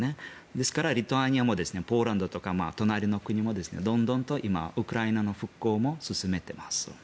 ですから、リトアニアもポーランドとか隣の国もどんどんと今ウクライナの復興も進めています。